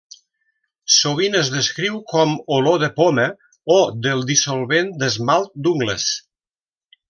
Sovint es descriu com olor de poma o del dissolvent d'esmalt d'ungles.